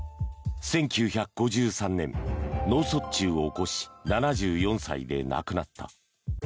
１９５３年、脳卒中を起こし７４歳で亡くなった。